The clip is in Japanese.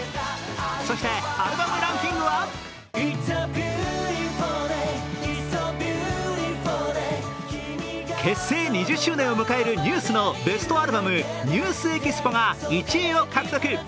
そして、アルバムランキングは結成２０周年を迎えるＮＥＷＳのベストアルバム「ＮＥＷＳＥＸＰＯ」が１位を獲得。